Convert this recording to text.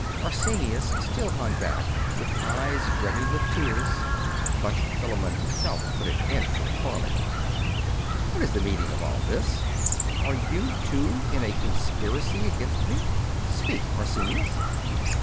Arsenius still hung back, with eyes brimming with tears; but Philammon himself put an end to the parley. 'What is the meaning of all this? Are you, too, in a conspiracy against me? Speak, Arsenius!